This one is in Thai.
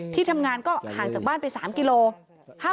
ที่ทำงานก็ห่างจากบ้านไป๓กิโลกรัม